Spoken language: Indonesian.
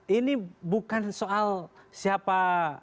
ini bukan soal siapa